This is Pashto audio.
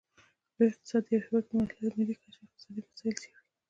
لوی اقتصاد د یو هیواد په ملي کچه اقتصادي مسایل څیړي